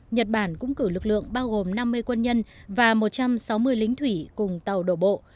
nhật bản cũng cử lực lượng bao gồm năm mươi quân nhân và một trăm sáu mươi lính thủy cùng tàu đổ bộ